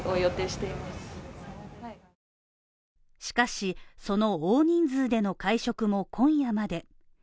しかし、その大人数での会食も今夜まで。